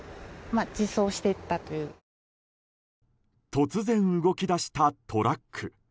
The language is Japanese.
突然動き出したトラック。